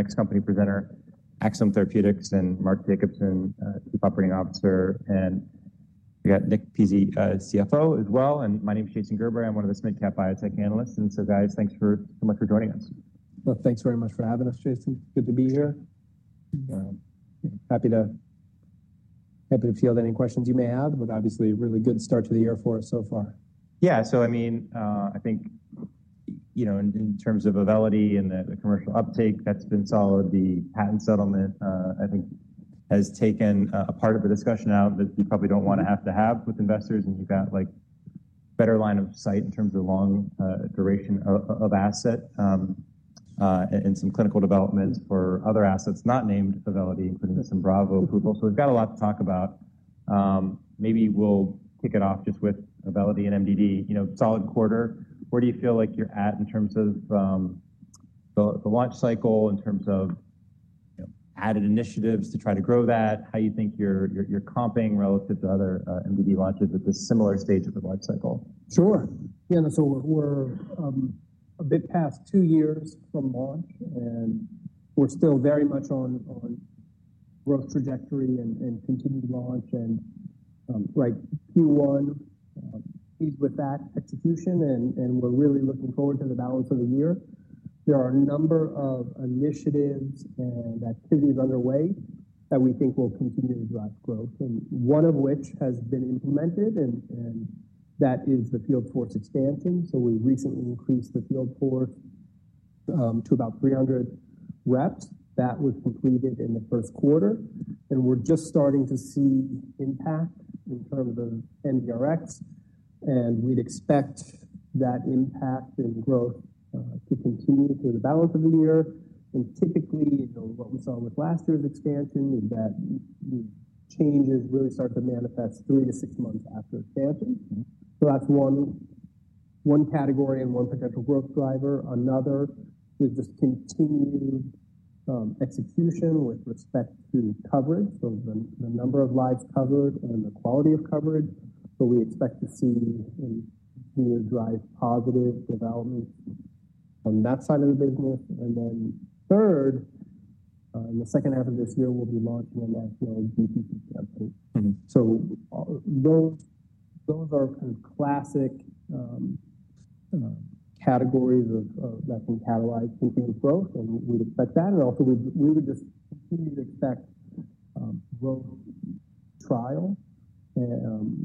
Next company presenter, Axsome Therapeutics, and Mark Jacobson, Chief Operating Officer. We got Nick Pizzie, CFO as well. My name is Jason Gerberry. I'm one of the SMID Biotech Analysts. Guys, thanks so much for joining us. Thank you very much for having us, Jason. Good to be here. Happy to field any questions you may have, but obviously a really good start to the year for us so far. Yeah. So, I mean, I think, you know, in terms of Auvelity and the commercial uptake, that's been solid. The patent settlement, I think, has taken a part of the discussion out that you probably do not want to have to have with investors. And you have got like a better line of sight in terms of long duration of asset and some clinical development for other assets not named Auvelity, including SYMBRAVO approval. So we have got a lot to talk about. Maybe we will kick it off just with Auvelity and MDD. You know, solid quarter. Where do you feel like you are at in terms of the launch cycle, in terms of added initiatives to try to grow that? How do you think you are comping relative to other MDD launches at this similar stage of the life cycle? Sure. Yeah. We're a bit past two years from launch, and we're still very much on growth trajectory and continued launch and like Q1, ease with that execution. We're really looking forward to the balance of the year. There are a number of initiatives and activities underway that we think will continue to drive growth, and one of which has been implemented, and that is the field force expansion. We recently increased the field force to about 300 reps. That was completed in the Q1. We're just starting to see impact in terms of NRx. We'd expect that impact in growth to continue through the balance of the year. Typically, what we saw with last year's expansion is that changes really start to manifest three to six months after expansion. That's one category and one potential growth driver. Another is just continued execution with respect to coverage. The number of lives covered and the quality of coverage. We expect to see and drive positive developments on that side of the business. Third, in the second half of this year, we'll be launching a national DTC campaign. Those are kind of classic categories that can catalyze continued growth. We'd expect that. Also, we would just continue to expect growth trial,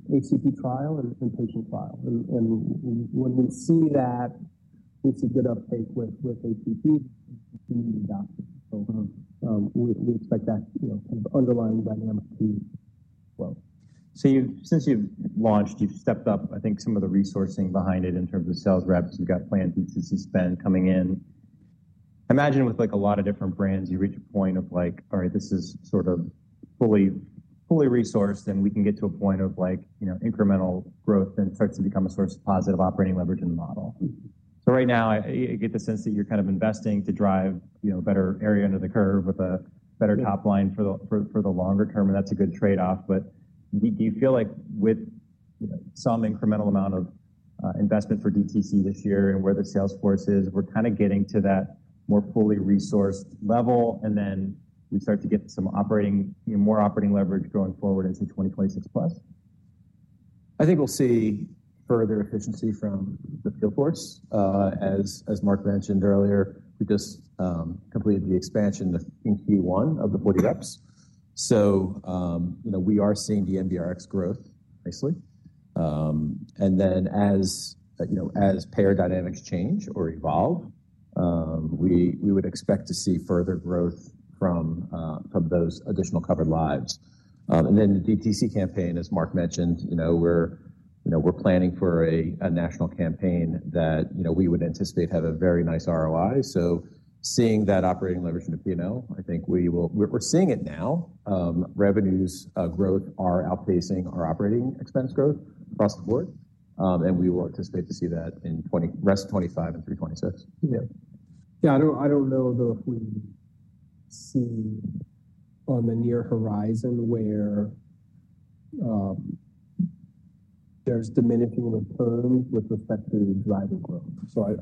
HCP trial, and patient trial. When we see that, we see good uptake with HCP and adoption. We expect that kind of underlying dynamic to grow. Since you've launched, you've stepped up, I think, some of the resourcing behind it in terms of sales reps. You've got planned DTC spend coming in. I imagine with like a lot of different brands, you reach a point of like, all right, this is sort of fully resourced, and we can get to a point of like incremental growth and starts to become a source of positive operating leverage in the model. Right now, I get the sense that you're kind of investing to drive a better area under the curve with a better top line for the longer term. That's a good trade-off. Do you feel like with some incremental amount of investment for DTC this year and where the sales force is, we're kind of getting to that more fully resourced level and then we start to get some more operating leverage going forward into 2026 plus? I think we'll see further efficiency from the field force. As Mark mentioned earlier, we just completed the expansion in Q1 of the 40 reps. We are seeing the NRx growth nicely. As payer dynamics change or evolve, we would expect to see further growth from those additional covered lives. The DTC campaign, as Mark mentioned, we're planning for a national campaign that we would anticipate have a very nice ROI. Seeing that operating leverage in the P&L, I think we will, we're seeing it now. Revenue growth is outpacing our operating expense growth across the board. We will anticipate to see that in rest 2025 and 2026. Yeah. I don't know though if we see on the near horizon where there's diminishing returns with respect to driving growth.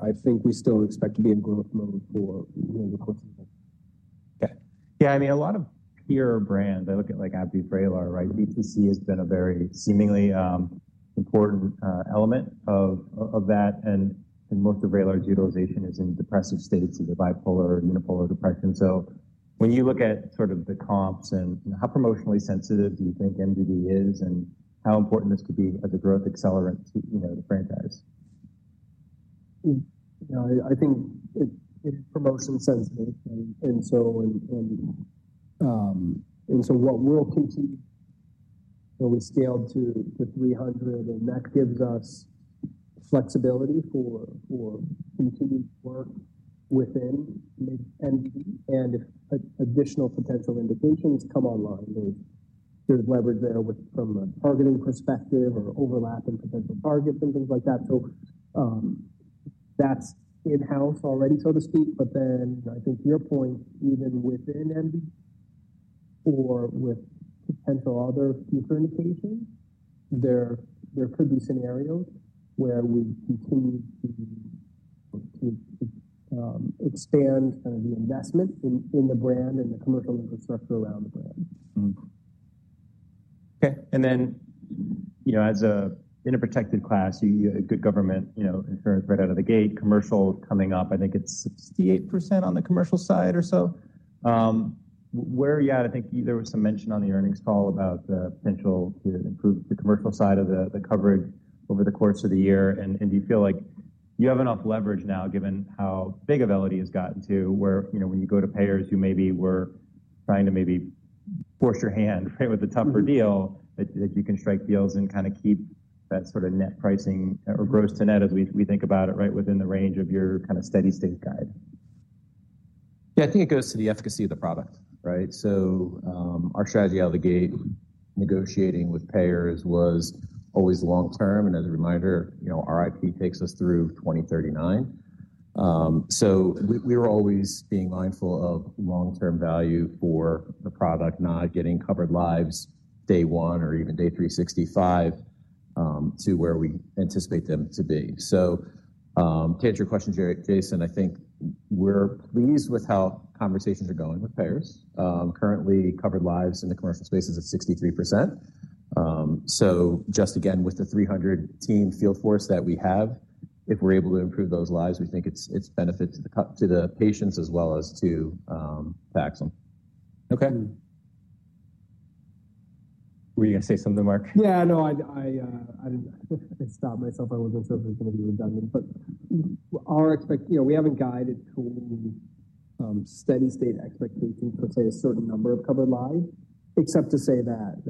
I think we still expect to be in growth mode for the course of the year. Okay. Yeah. I mean, a lot of peer brands, I look at like AbbVie, Vraylar, right? DTC has been a very seemingly important element of that. Most of Vraylar's utilization is in depressive states of the bipolar and unipolar depression. When you look at sort of the comps and how promotionally sensitive do you think MDD is and how important this could be as a growth accelerant to the franchise? I think it's promotionally sensitive. What we'll continue when we scale to 300, and that gives us flexibility for continued work within MDD. If additional potential indications come online, there's leverage there from a targeting perspective or overlap and potential targets and things like that. That's in-house already, so to speak. I think to your point, even within MDD or with potential other future indications, there could be scenarios where we continue to expand kind of the investment in the brand and the commercial infrastructure around the brand. Okay. And then as in a protected class, you have good government insurance right out of the gate. Commercial coming up, I think it's 68% on the commercial side or so. Where you at? I think there was some mention on the earnings call about the potential to improve the commercial side of the coverage over the course of the year. Do you feel like you have enough leverage now given how big Auvelity has gotten to where when you go to payers, you maybe were trying to maybe force your hand with a tougher deal that you can strike deals and kind of keep that sort of net pricing or gross to net as we think about it, right, within the range of your kind of steady state guide? Yeah. I think it goes to the efficacy of the product, right? Our strategy out of the gate negotiating with payers was always long term. As a reminder, our IP takes us through 2039. We were always being mindful of long-term value for the product, not getting covered lives day one or even day 365 to where we anticipate them to be. To answer your question, Jason, I think we're pleased with how conversations are going with payers. Currently, covered lives in the commercial space is at 63%. Just again, with the 300 team field force that we have, if we're able to improve those lives, we think it's benefit to the patients as well as to Axsome. Okay. Were you going to say something, Mark? Yeah. No, I didn't stop myself. I wasn't sure if it was going to be redundant. We haven't guided to a steady state expectation to say a certain number of covered lives, except to say that.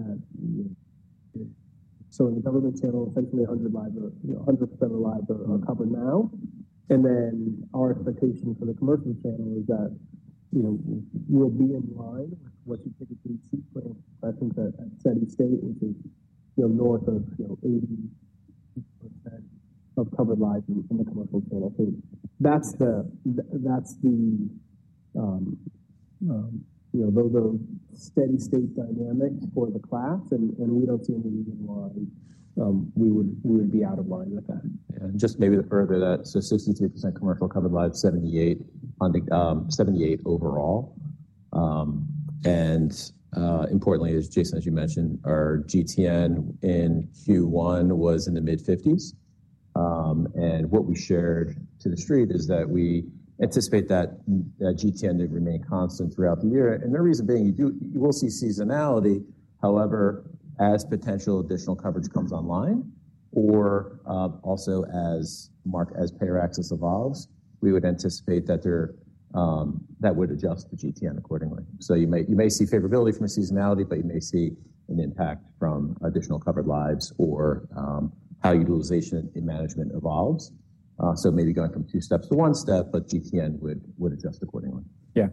In the government channel, essentially 100% of the lives are covered now. Our expectation for the commercial channel is that we'll be in line with what you typically see for us at steady state, which is north of 80% of covered lives in the commercial channel. That's the steady state dynamic for the class. We don't see any reason why we would be out of line with that. Yeah. Maybe to further that, 63% commercial covered lives, 78% overall. Importantly, as Jason, as you mentioned, our GTN in Q1 was in the mid-50s. What we shared to the street is that we anticipate that GTN did remain constant throughout the year. The reason being, you will see seasonality. However, as potential additional coverage comes online or also as payer access evolves, we would anticipate that would adjust the GTN accordingly. You may see favorability from a seasonality, but you may see an impact from additional covered lives or how utilization and management evolves. Maybe going from two steps to one step, but GTN would adjust accordingly. Yeah.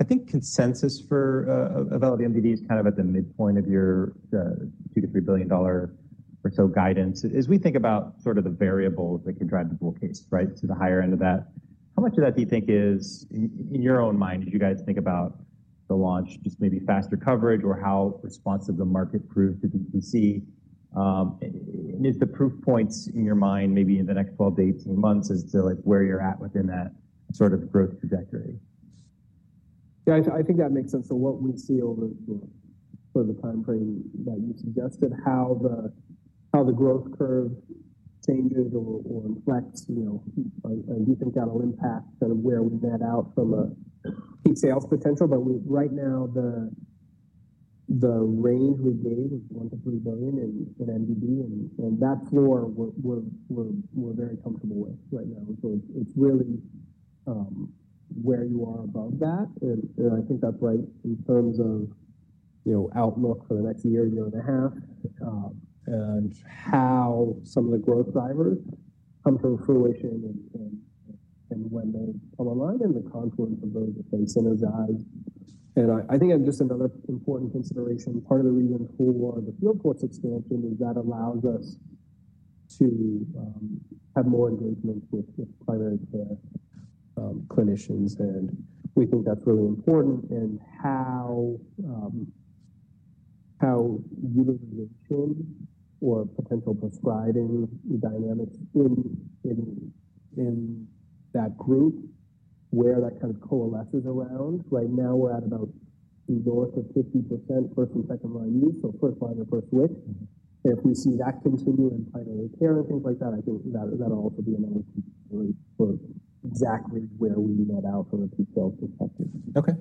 I think consensus for Auvelity MDD is kind of at the midpoint of your $2 to $3 billion or so guidance. As we think about sort of the variables that can drive the bull case, right, to the higher end of that, how much of that do you think is in your own mind, as you guys think about the launch, just maybe faster coverage or how responsive the market proved to DTC? Is the proof points in your mind, maybe in the next 12 to 18 months, as to where you're at within that sort of growth trajectory? Yeah. I think that makes sense. What we see over the time frame that you suggested, how the growth curve changes or inflects, do you think that'll impact kind of where we've net out from a peak sales potential? Right now, the range we gave was $1 billion-$3 billion in MDD. That floor we're very comfortable with right now. It's really where you are above that. I think that's right in terms of outlook for the next year, year and a half, and how some of the growth drivers come to fruition and when they come online and the confluence of those, that they synergize. I think just another important consideration, part of the reason for the field force expansion is that allows us to have more engagement with primary care clinicians. We think that's really important in how utilization or potential prescribing dynamics in that group, where that kind of coalesces around. Right now, we're at about north of 50% first and second line use. So first line or first switch. If we see that continue in primary care and things like that, I think that'll also be another key for exactly where we net out from a peak sales perspective. Okay.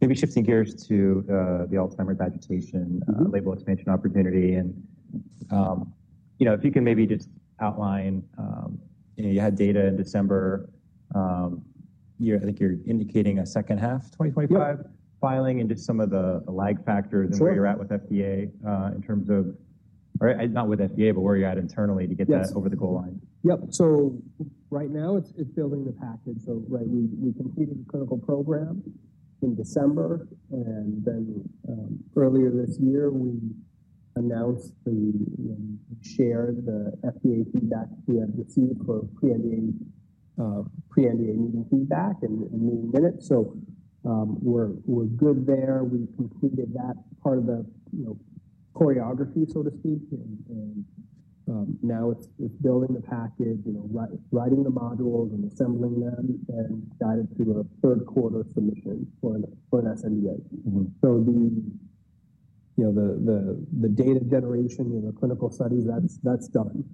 Maybe shifting gears to the Alzheimer's agitation label expansion opportunity. If you can maybe just outline, you had data in December. I think you're indicating a second half 2025 filing and just some of the lag factors and where you're at with FDA in terms of, not with FDA, but where you're at internally to get that over the goal line. Yep. Right now, it's building the package. We completed the clinical program in December. Earlier this year, we announced the shared FDA feedback we had received for pre-NDA meeting feedback and meeting minutes. We're good there. We completed that part of the choreography, so to speak. Now it's building the package, writing the modules and assembling them, and guided through a Q3 submission for an sNDA. The data generation and the clinical studies, that's done.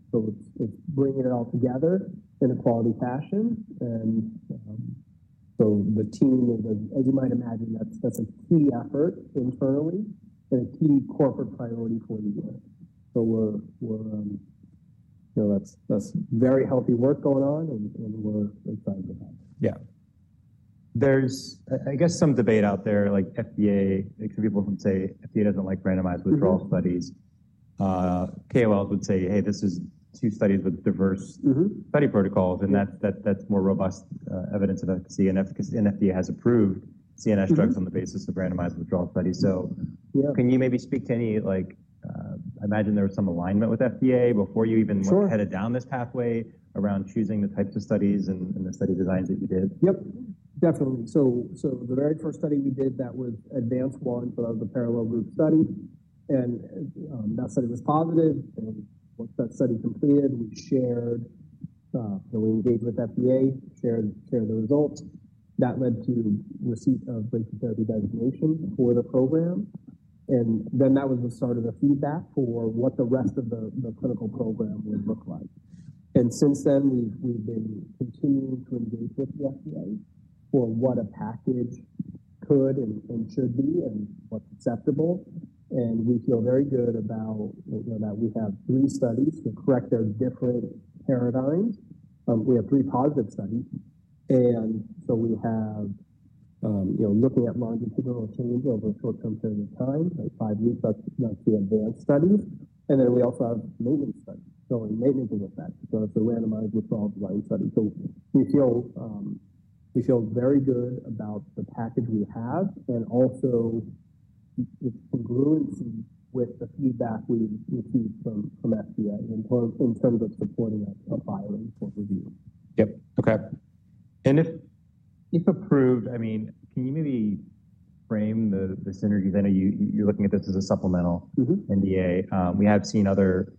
It's bringing it all together in a quality fashion. The team, as you might imagine, that's a key effort internally and a key corporate priority for the year. That's very healthy work going on, and we're excited about it. Yeah. There's, I guess, some debate out there, like FDA, some people would say FDA doesn't like randomized withdrawal studies. KOLs would say, "Hey, this is two studies with diverse study protocols." That's more robust evidence of efficacy. FDA has approved CNS drugs on the basis of randomized withdrawal studies. Can you maybe speak to any, I imagine there was some alignment with FDA before you even headed down this pathway around choosing the types of studies and the study designs that you did? Yep. Definitely. The very first study we did, that was ADVANCE-1 for the parallel group study. That study was positive. Once that study completed, we engaged with FDA, shared the results. That led to receipt of breakthrough therapy designation for the program. That was the start of the feedback for what the rest of the clinical program would look like. Since then, we've been continuing to engage with the FDA for what a package could and should be and what's acceptable. We feel very good about that. We have three studies to correct their different paradigms. We have three positive studies. We have looking at longitudinal change over a short-term period of time, like five weeks, that's the ADVANCE studies. We also have maintenance studies, so maintenance of effect. That's a randomized withdrawal design study. We feel very good about the package we have and also its congruency with the feedback we received from FDA in terms of supporting a filing for review. Yep. Okay. If approved, I mean, can you maybe frame this interview? I know you're looking at this as a supplemental NDA. We have seen other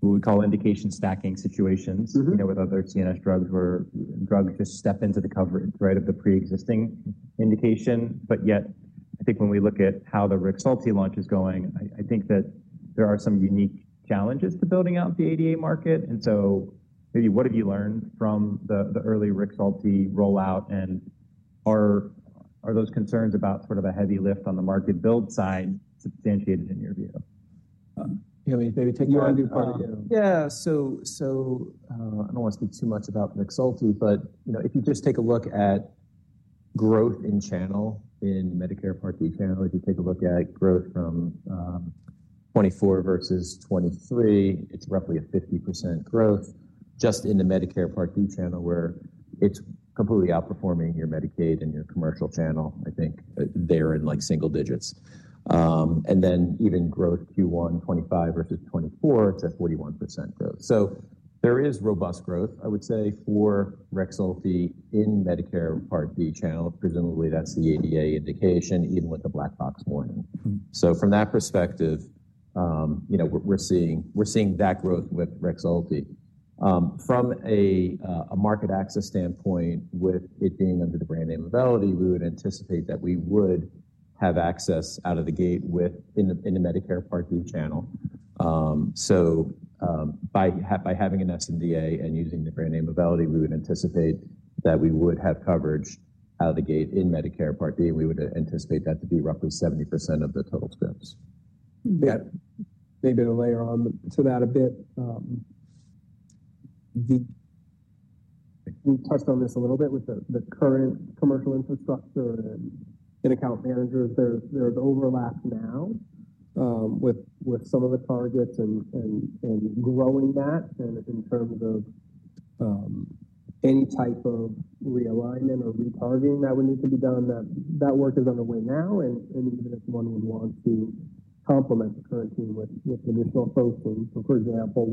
what we call indication stacking situations with other CNS drugs where drugs just step into the coverage, right, of the pre-existing indication. Yet, I think when we look at how the Rixulti launch is going, I think that there are some unique challenges to building out the ADA market. Maybe what have you learned from the early Rixulti rollout? Are those concerns about sort of a heavy lift on the market build side substantiated in your view? Yeah. Maybe take your own viewpoint. Yeah. So I don't want to speak too much about Rixulti, but if you just take a look at growth in channel in Medicare Part D channel, if you take a look at growth from 2024 versus 2023, it's roughly a 50% growth just in the Medicare Part D channel where it's completely outperforming your Medicaid and your commercial channel, I think they're in single digits. Even growth Q1 2025 versus 2024, it's at 41% growth. There is robust growth, I would say, for Rixulti in Medicare Part D channel. Presumably, that's the ADA indication, even with the black box warning. From that perspective, we're seeing that growth with Rixulti. From a market access standpoint, with it being under the brand name Auvelity, we would anticipate that we would have access out of the gate in the Medicare Part D channel. By having an sNDA and using the brand name Auvelity, we would anticipate that we would have coverage out of the gate in Medicare Part D. We would anticipate that to be roughly 70% of the total scripts. Yeah. Maybe to layer on to that a bit, we touched on this a little bit with the current commercial infrastructure and account managers. There's overlap now with some of the targets and growing that in terms of any type of realignment or retargeting that would need to be done. That work is underway now. Even if one would want to complement the current team with additional focusing. For example,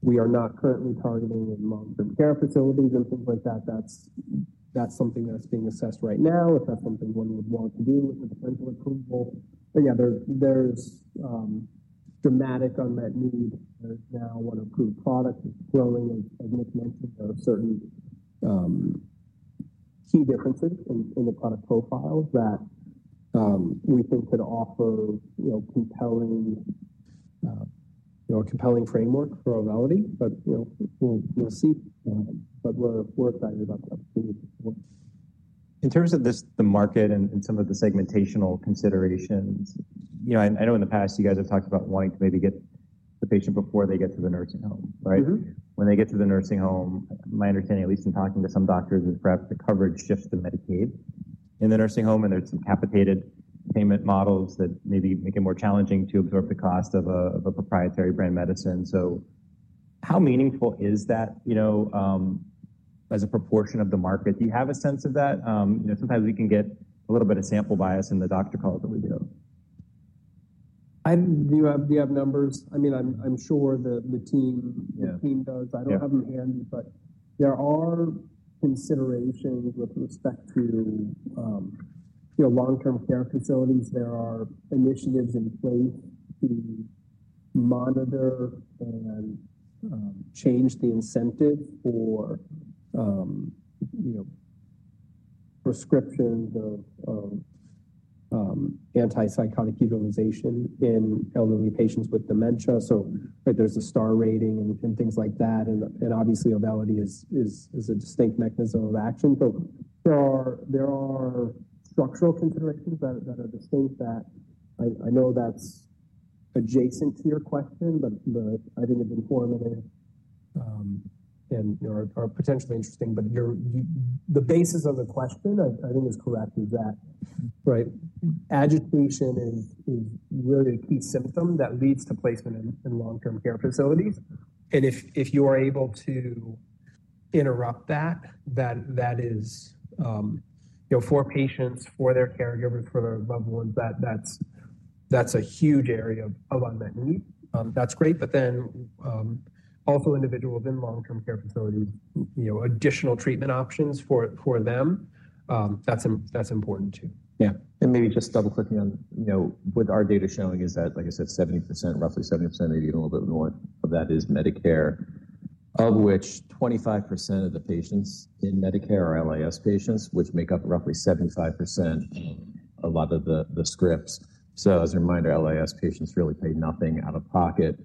we are not currently targeting in long-term care facilities and things like that. That's something that's being assessed right now if that's something one would want to do with the potential approval. Yeah, there's dramatic unmet need. There's now one approved product that's growing, as Nick mentioned, of certain key differences in the product profile that we think could offer a compelling framework for Auvelity. We'll see. We're excited about the opportunity to work. In terms of the market and some of the segmentational considerations, I know in the past, you guys have talked about wanting to maybe get the patient before they get to the nursing home, right? When they get to the nursing home, my understanding, at least in talking to some doctors, is perhaps the coverage shifts to Medicaid in the nursing home. There are some capitated payment models that maybe make it more challenging to absorb the cost of a proprietary brand medicine. How meaningful is that as a proportion of the market? Do you have a sense of that? Sometimes we can get a little bit of sample bias in the doctor calls that we do. Do you have numbers? I mean, I'm sure the team does. I don't have them handy, but there are considerations with respect to long-term care facilities. There are initiatives in place to monitor and change the incentive for prescriptions of antipsychotic utilization in elderly patients with dementia. There is a star rating and things like that. Obviously, Auvelity is a distinct mechanism of action. There are structural considerations that are distinct that I know that's adjacent to your question, but I think it's informative and potentially interesting. The basis of the question, I think, is correct is that agitation is really a key symptom that leads to placement in long-term care facilities. If you are able to interrupt that, that is for patients, for their caregivers, for their loved ones, that's a huge area of unmet need. That's great. Then also individuals in long-term care facilities, additional treatment options for them, that's important too. Yeah. Maybe just double-clicking on what our data is showing is that, like I said, 70%, roughly 70%, maybe even a little bit more of that is Medicare, of which 25% of the patients in Medicare are LIS patients, which make up roughly 75% of a lot of the scripts. As a reminder, LIS patients really pay nothing out of pocket.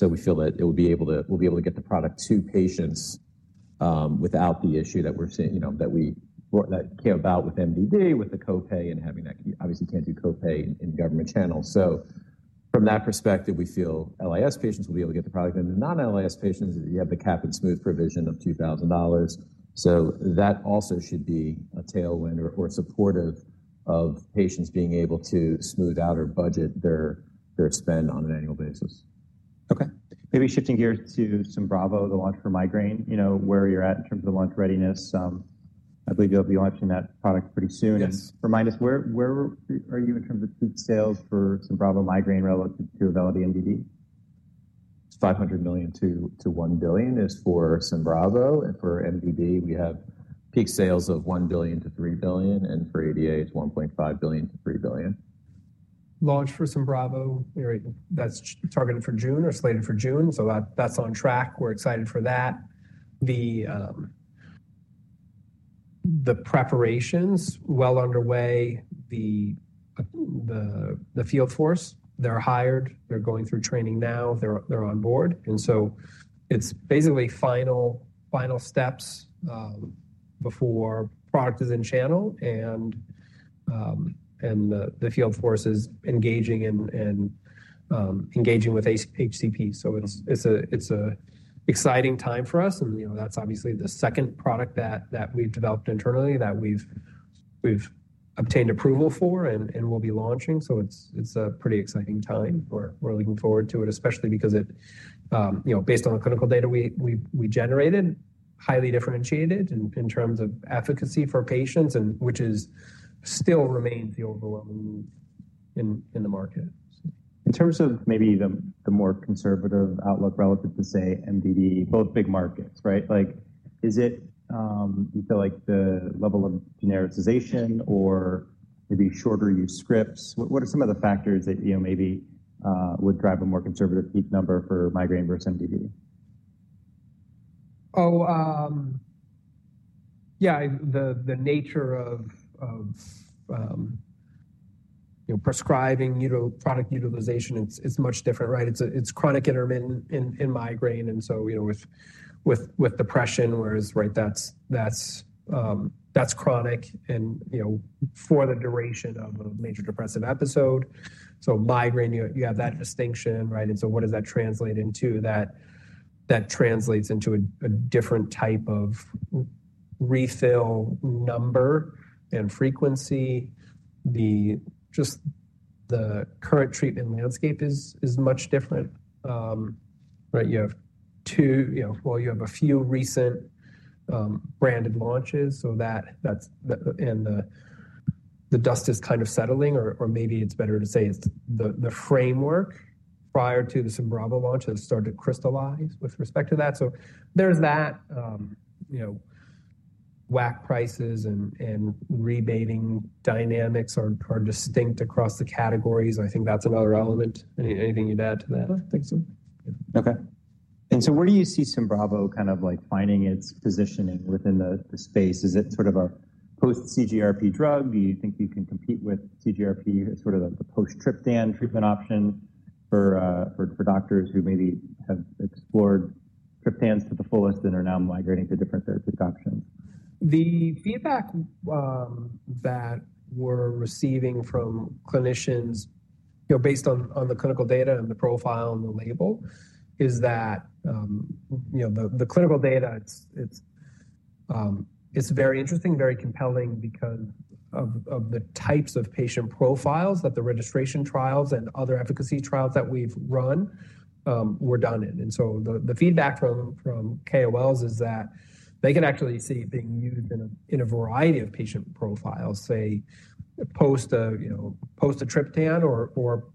We feel that it will be able to, we'll be able to get the product to patients without the issue that we're seeing that came about with MDD with the copay and having that obviously can't do copay in government channels. From that perspective, we feel LIS patients will be able to get the product. The non-LIS patients, you have the cap and smooth provision of $2,000. That also should be a tailwind or supportive of patients being able to smooth out or budget their spend on an annual basis. Okay. Maybe shifting gears to SYMBRAVO, the launch for migraine, where you're at in terms of the launch readiness. I believe you'll be launching that product pretty soon. Remind us, where are you in terms of peak sales for SYMBRAVO migraine relative to Auvelity MDD? $500 million-$1 billion is for SYMBRAVO. For MDD, we have peak sales of $1 billion-$3 billion. For ADA, it's $1.5 billion-$3 billion. Launch for SYMBRAVO, that's targeted for June or slated for June. That's on track. We're excited for that. The preparation's well underway. The field force, they're hired. They're going through training now. They're on board. It's basically final steps before product is in channel and the field force is engaging with HCP. It's an exciting time for us. That's obviously the second product that we've developed internally that we've obtained approval for and will be launching. It's a pretty exciting time. We're looking forward to it, especially because based on the clinical data we generated, highly differentiated in terms of efficacy for patients, which still remains the overwhelming need in the market. In terms of maybe the more conservative outlook relative to, say, MDD, both big markets, right? Is it you feel like the level of genericization or maybe shorter use scripts? What are some of the factors that maybe would drive a more conservative peak number for migraine versus MDD? Oh, yeah. The nature of prescribing product utilization is much different, right? It's chronic intermittent in migraine. And so with depression, whereas, right, that's chronic for the duration of a major depressive episode. So migraine, you have that distinction, right? And so what does that translate into? That translates into a different type of refill number and frequency. Just the current treatment landscape is much different, right? You have two, well, you have a few recent branded launches. So that's, and the dust is kind of settling, or maybe it's better to say it's the framework prior to the SYMBRAVO launch has started to crystallize with respect to that. So there's that. WAC prices and rebating dynamics are distinct across the categories. I think that's another element. Anything you'd add to that? I don't think so. Okay. And where do you see SYMBRAVO kind of finding its positioning within the space? Is it sort of a post-CGRP drug? Do you think you can compete with CGRP, sort of the post-triptan treatment option for doctors who maybe have explored triptans to the fullest and are now migrating to different therapeutic options? The feedback that we're receiving from clinicians based on the clinical data and the profile and the label is that the clinical data, it's very interesting, very compelling because of the types of patient profiles that the registration trials and other efficacy trials that we've run were done in. The feedback from KOLs is that they can actually see it being used in a variety of patient profiles, say, post a triptan or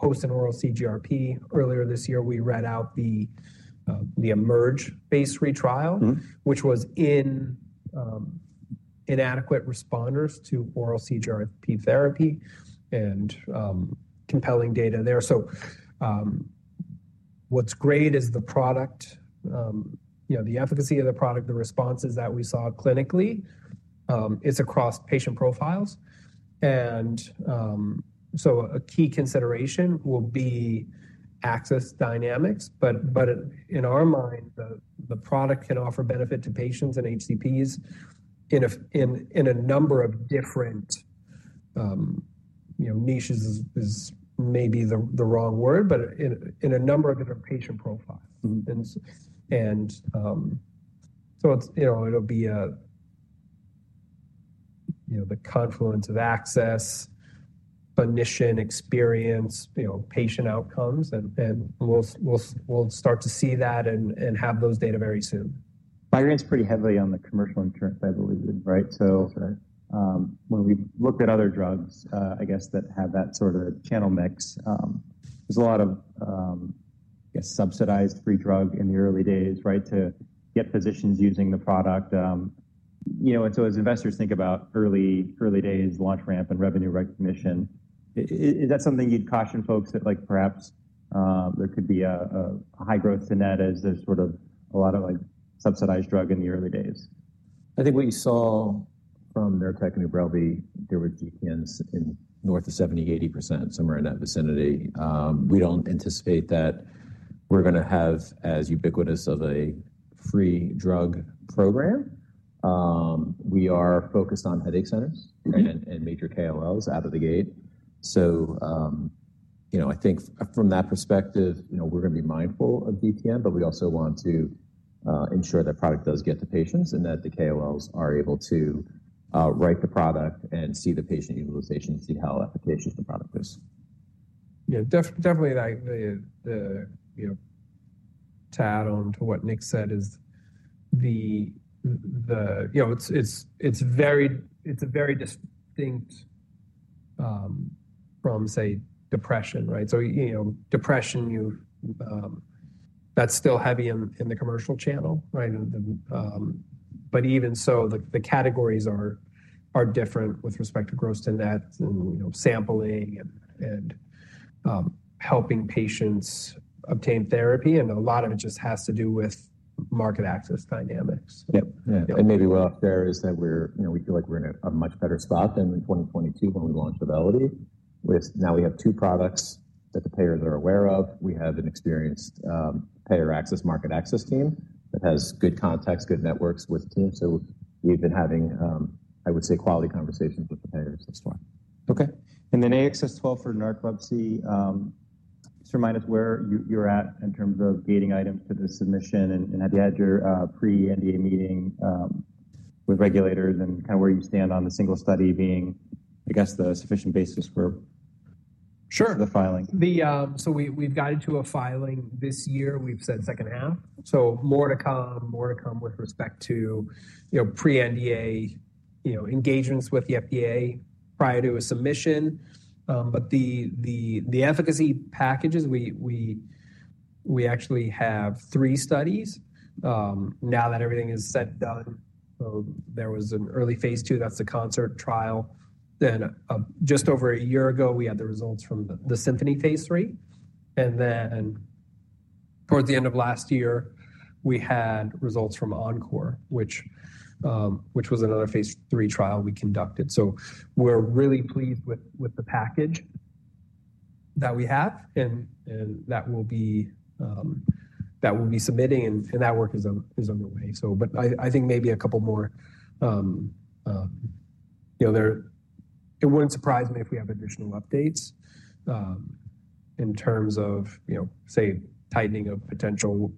post an oral CGRP. Earlier this year, we read out the Emerge-based retrial, which was in inadequate responders to oral CGRP therapy and compelling data there. What's great is the product, the efficacy of the product, the responses that we saw clinically, it's across patient profiles. A key consideration will be access dynamics. In our mind, the product can offer benefit to patients and HCPs in a number of different niches is maybe the wrong word, but in a number of different patient profiles. It will be the confluence of access, clinician experience, patient outcomes. We will start to see that and have those data very soon. Migraine's pretty heavily on the commercial insurance, I believe, right? When we looked at other drugs, I guess, that have that sort of channel mix, there's a lot of, I guess, subsidized free drug in the early days, right, to get physicians using the product. As investors think about early days, launch ramp and revenue recognition, is that something you'd caution folks that perhaps there could be a high growth scenario as there's sort of a lot of subsidized drug in the early days? I think what you saw from Nurtec and Ubrelvy, there were GTNs in north of 70-80%, somewhere in that vicinity. We don't anticipate that we're going to have as ubiquitous of a free drug program. We are focused on headache centers and major KOLs out of the gate. I think from that perspective, we're going to be mindful of GTN, but we also want to ensure that product does get to patients and that the KOLs are able to write the product and see the patient utilization and see how efficacious the product is. Yeah. Definitely the tad on to what Nick said is the it's a very distinct from, say, depression, right? Depression, that's still heavy in the commercial channel, right? Even so, the categories are different with respect to gross to nets and sampling and helping patients obtain therapy. A lot of it just has to do with market access dynamics. Yep. Maybe what I'll share is that we feel like we're in a much better spot than in 2022 when we launched Auvelity. Now we have two products that the payers are aware of. We have an experienced payer access, market access team that has good contacts, good networks with teams. We've been having, I would say, quality conversations with the payers this time. Okay. AXS-12 for Narcolepsy, just remind us where you're at in terms of gating items to the submission. Have you had your pre-NDA meeting with regulators and kind of where you stand on the single study being, I guess, the sufficient basis for the filing? Sure. We have gotten to a filing this year. We have said second half. More to come, more to come with respect to pre-NDA engagements with the FDA prior to a submission. The efficacy packages, we actually have three studies now that everything is said and done. There was an early Phase II, that is the CONCERT trial. Just over a year ago, we had the results from the SYMPHONY Phase III. Towards the end of last year, we had results from ENCORE, which was another Phase III trial we conducted. We are really pleased with the package that we have and that we will be submitting. That work is underway. I think maybe a couple more, it would not surprise me if we have additional updates in terms of, say, tightening of potential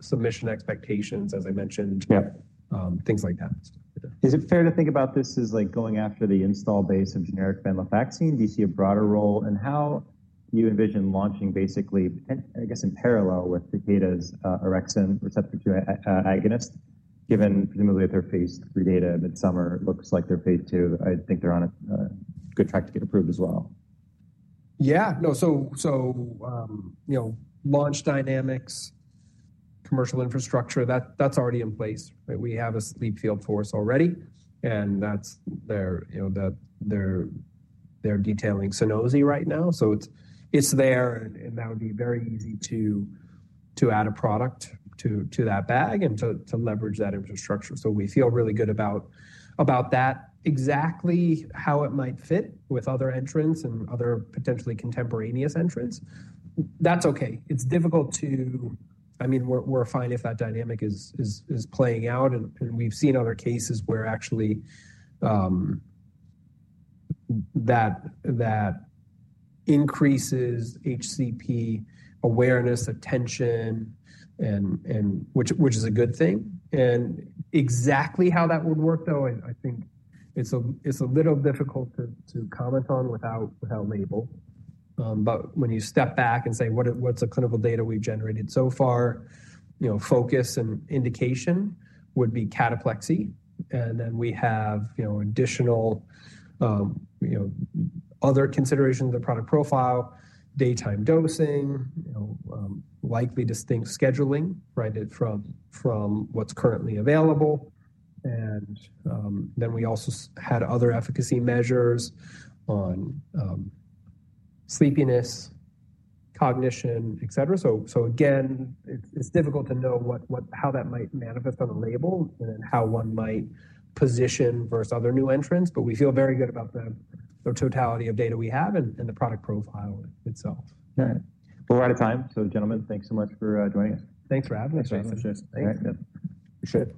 submission expectations, as I mentioned, things like that. Is it fair to think about this as going after the install base of generic venlafaxine? Do you see a broader role? How do you envision launching basically, I guess, in parallel with Takeda's orexin receptor 2 agonist, given presumably their Phase III data mid-summer looks like their Phase II, I think they're on a good track to get approved as well. Yeah. No. Launch dynamics, commercial infrastructure, that's already in place. We have a sleep field force already, and they're detailing Sunosi right now. It's there, and that would be very easy to add a product to that bag and to leverage that infrastructure. We feel really good about that, exactly how it might fit with other entrants and other potentially contemporaneous entrants. That's okay. It's difficult to, I mean, we're fine if that dynamic is playing out. We've seen other cases where actually that increases HCP awareness, attention, which is a good thing. Exactly how that would work, though, I think it's a little difficult to comment on without label. When you step back and say, "What's the clinical data we've generated so far?" focus and indication would be Cataplexy. We have additional other considerations of the product profile, daytime dosing, likely distinct scheduling, right, from what's currently available. We also had other efficacy measures on sleepiness, cognition, etc. Again, it's difficult to know how that might manifest on a label and then how one might position versus other new entrants. We feel very good about the totality of data we have and the product profile itself. All right. We're out of time. So gentlemen, thanks so much for joining us. Thanks for having us. Thanks so much. Thanks. Appreciate it.